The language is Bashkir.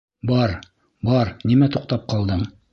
Бар, бар, нимә туҡтап ҡалдың?